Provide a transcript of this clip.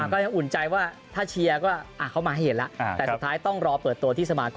ก็ยังอุ่นใจว่าถ้าเชียร์ก็